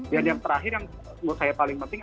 dan yang terakhir yang menurut saya paling penting